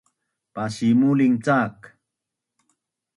Pasimuling cak